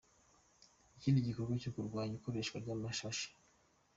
Ikindi gikorwa cyo kurwanya ikoreshwa ry’amashashi